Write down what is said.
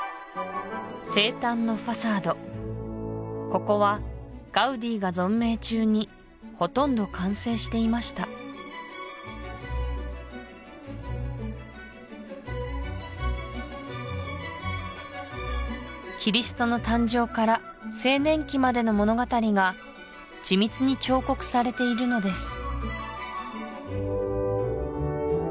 ここはガウディが存命中にほとんど完成していましたキリストの誕生から青年期までの物語が緻密に彫刻されているのです